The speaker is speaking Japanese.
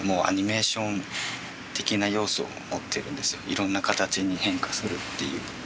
いろんな形に変化するっていう。